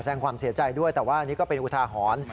แสดงความเสียใจด้วยแต่ว่าอันนี้ก็เป็นอุทาหรณ์